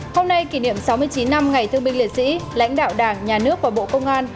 hôm nay kỷ niệm sáu mươi chín năm ngày thương binh liệt sĩ lãnh đạo đảng nhà nước và bộ công an